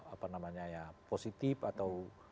apa namanya ya positif atau